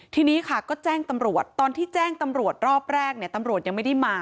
ทีนี้ค่ะก็แจ้งตำรวจตอนที่แจ้งตำรวจรอบแรกเนี่ยตำรวจยังไม่ได้มา